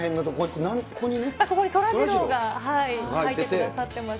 ここにそらジローが、描いてくださっていまして。